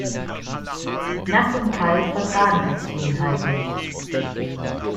Nass und kalt vertragen Kakteen halt nicht.